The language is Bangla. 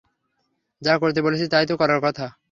যা করতে বলেছি, তাই তো করার কথা।